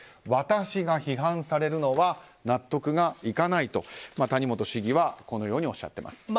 私が批判されるのは納得がいかないと谷本市議はこのようにおっしゃっています。